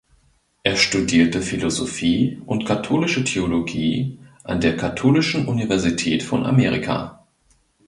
Er studierte Philosophie und Katholische Theologie an der Katholischen Universität von Amerika.